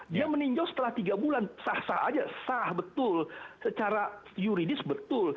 dia meninjau setelah tiga bulan sah sah aja sah betul secara yuridis betul